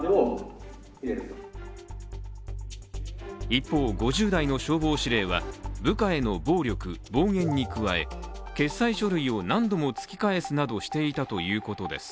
一方、５０代の消防司令は部下への暴力・暴言に加え決裁書類を何度も突き返すなどしていたということです。